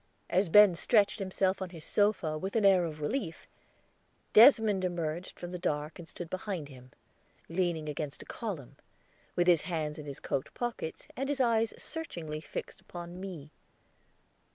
As Ben stretched himself on his sofa with an air of relief, Desmond emerged from the dark and stood behind him, leaning against a column, with his hands in his coat pockets and his eyes searchingly fixed upon me.